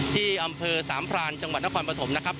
ที่อำเภอสามพรานจังหวัดนครปฐมนะครับ